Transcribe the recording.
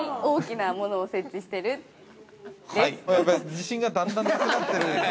自信がだんだんなくなってる。